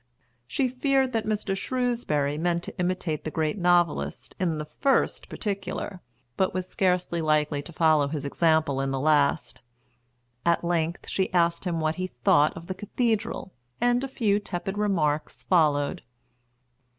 She feared that Mr. Shrewsbury meant to imitate the great novelist in the first particular, but was scarcely likely to follow his example in the last. At length she asked him what he thought of the cathedral, and a few tepid remarks followed.